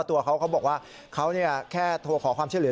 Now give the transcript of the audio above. ตัวเขาเขาบอกว่าเขาแค่โทรขอความช่วยเหลือ